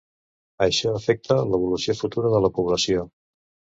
Això afecta l'evolució futura de la població.